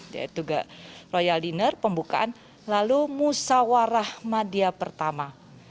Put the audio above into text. yaitu loyal dinner pembukaan lalu musawarah madia pertama